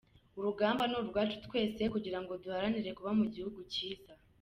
Urugamba ni urwacu twese kugira ngo duharanire kuba mu gihugu cyiza.